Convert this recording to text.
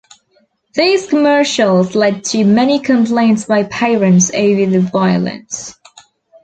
These commercials led to many complaints by parents over the violence.